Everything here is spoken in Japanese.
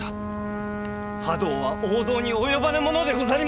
覇道は王道に及ばぬものでござりまする！